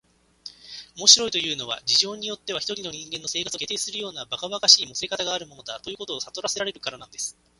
「面白いというのは、事情によっては一人の人間の生活を決定するようなばかばかしいもつれかたがあるものだ、ということをさとらせられるからなんです」